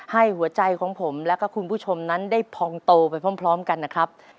ให้หัวใจของผมแล้วก็คุณผู้ชมนั้นได้พองโตไปพร้อมกันนะครับ